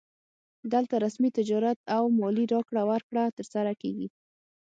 دلته رسمي تجارت او مالي راکړه ورکړه ترسره کیږي